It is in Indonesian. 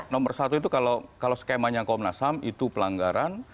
nomor satu itu kalau skemanya komnas ham itu pelanggaran